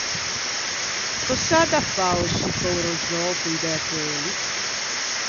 Cös’à da fâ o succao rosou co-i bertoeli?